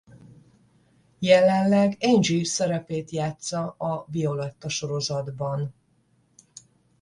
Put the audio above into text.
Jelenleg Angie szerepét játssza a Violetta sorozatban.